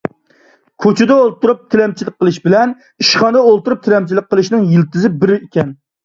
كوچىدا ئولتۇرۇپ تىلەمچىلىك قىلىش بىلەن ئىشخانىدا ئولتۇرۇپ تىلەمچىلىك قىلىشنىڭ يىلتىزى بىر ئىكەن.